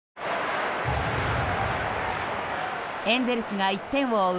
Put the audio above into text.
エンゼルスが１点を追う